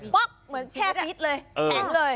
ป๊อกเหมือนแช่ฟิตเลยแช่เลย